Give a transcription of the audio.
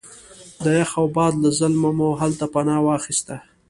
د یخ او باد له ظلمه مو هلته پناه واخسته.